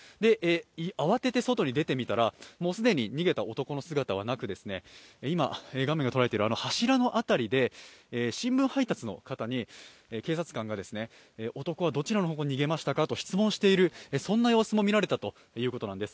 慌てて外に出てみたら既に、逃げた男の姿はなく今、画面がとらえている柱の辺りで新聞配達の方に警察官が、男はどちらの方向に逃げましたかと質問している様子も見られたということなんです。